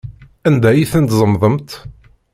Anda ay ten-tzemḍemt?